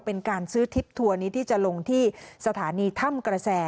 เป็นการซื้อทริปทัวร์นี้ที่จะลงที่สถานีถ้ำกระแส